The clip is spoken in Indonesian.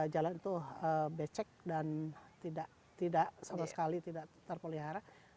jalan itu becek dan tidak sama sekali tidak terpelihara